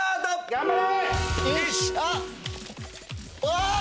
頑張れ！